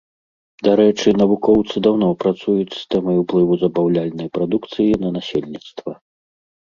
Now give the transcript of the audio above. Дарэчы, навукоўцы даўно працуюць з тэмай уплыву забаўляльнай прадукцыі на насельніцтва.